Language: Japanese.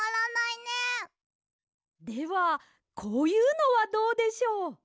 ではこういうのはどうでしょう？